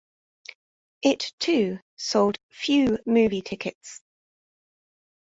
It too sold few movie tickets.